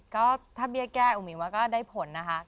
ก็ถ้าเบี้ยแก้อุ๋ยว่าก็ได้ผลนะคะ